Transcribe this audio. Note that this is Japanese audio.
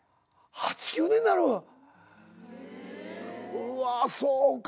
うわそうか。